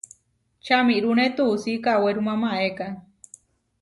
Čamirúne tuusí kawéruma maéka.